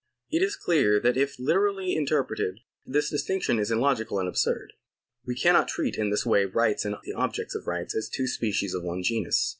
^ It is clear that if literally interpreted, this distinction is illogical and absurd. We cannot treat in this way rights and the objects of rights as two species of one genus.